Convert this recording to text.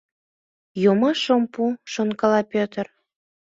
«Йомаш ом пу! — шонкала Пӧтыр.